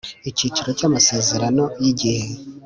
Icyiciro cya Amasezerano y igihe